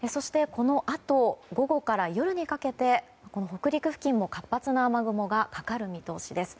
このあと午後から夜にかけて北陸付近にも活発な雨雲がかかる見通しです。